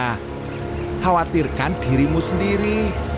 khawatirkan dirimu sendiri